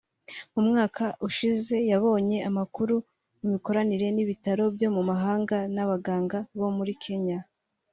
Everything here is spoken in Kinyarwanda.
mu mwaka ushize yabonye amakuru ku mikoranire n’ibitaro byo mu mahanga n’abaganga bo muri Kenya